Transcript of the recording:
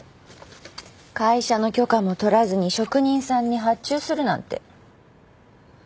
会社の許可も取らずに職人さんに発注するなんて。